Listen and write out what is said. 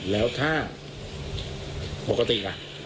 แล้วถ้าปกติล่ะ